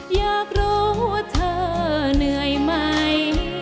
อยากรู้ว่าเธอเหนื่อยไหม